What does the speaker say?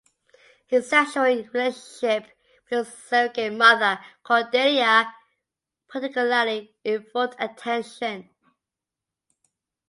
His sexual relationship with his surrogate mother, Cordelia, particularly evoked attention.